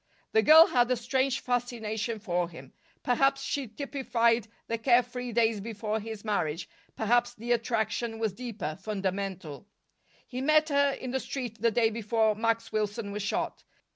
The girl had a strange fascination for him. Perhaps she typified the care free days before his marriage; perhaps the attraction was deeper, fundamental. He met her in the street the day before Max Wilson was shot.